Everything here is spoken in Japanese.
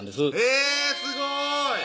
えぇすごい！